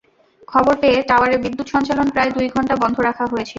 খবর পেয়ে টাওয়ারে বিদ্যুৎ সঞ্চালন প্রায় দুই ঘণ্টা বন্ধ রাখা হয়েছিল।